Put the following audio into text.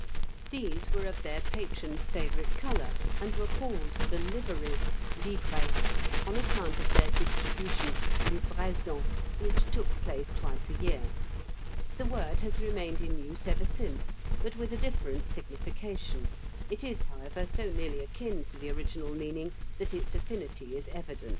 These were of their patron's favourite colour, and were called the livery (livrée), on account of their distribution (livraison), which took place twice a year. The word has remained in use ever since, but with a different signification; it is, however, so nearly akin to the original meaning that its affinity is evident."